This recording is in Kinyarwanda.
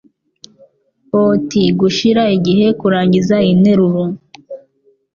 ot gushira igihe kurangiza interuro.